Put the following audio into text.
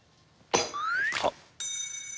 あっ。